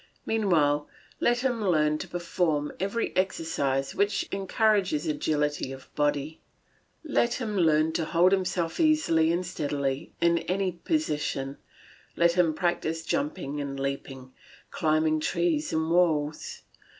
Meanwhile, let him learn to perform every exercise which encourages agility of body; let him learn to hold himself easily and steadily in any position, let him practise jumping and leaping, climbing trees and walls.